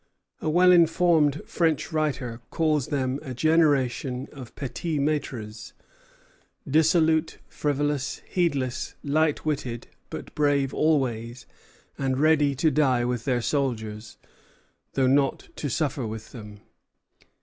A well informed French writer calls them "a generation of petits maîtres, dissolute, frivolous, heedless, light witted; but brave always, and ready to die with their soldiers, though not to suffer with them."